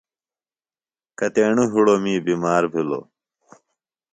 کتیݨوۡ ہِڑوۡ می بِمار بِھلوۡ۔